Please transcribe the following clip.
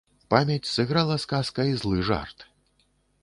Памяць сыграла з казкай злы жарт.